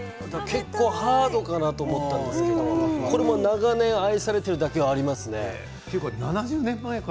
結構ハードかと思ったんですけど長年、愛されているだけのことはありますね。